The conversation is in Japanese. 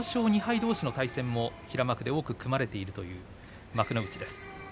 どうしの対戦も平幕で多く組まれているという幕内です。